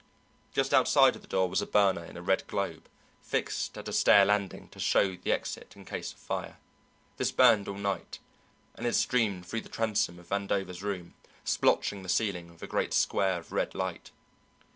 Just outside of the door was a burner in a red globe, fixed at a stair landing to show the exit in case of fire. This burned all night and it streamed through the transom of Vandover's room, splotching the ceiling with a great square of red light.